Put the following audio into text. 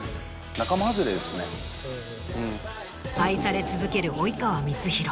愛され続ける及川光博。